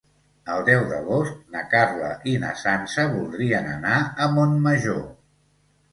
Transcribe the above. El deu d'agost na Carla i na Sança voldrien anar a Montmajor.